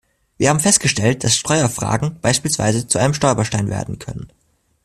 Wir haben festgestellt, dass Steuerfragen beispielsweise zu einem Stolperstein werden können.